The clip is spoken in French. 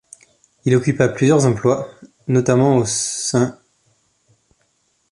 Il occupa plusieurs emplois notamment au St.